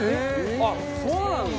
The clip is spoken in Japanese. あっそうなんだ！